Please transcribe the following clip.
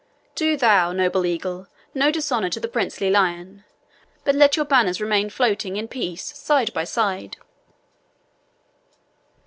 Do thou, noble eagle, no dishonour to the princely lion, but let your banners remain floating in peace side by side."